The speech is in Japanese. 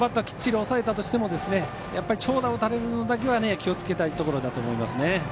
きっちり抑えたとしても長打を打たれるのだけは気をつけたいところだと思いますね。